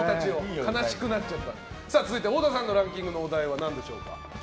続いて、太田さんのランキングお題は何でしょうか。